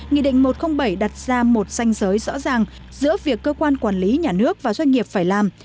nghị định một trăm linh bảy đặt ra một xanh giới rõ ràng giữa việc cơ quan quản lý nhà nước và doanh nghiệp phải làm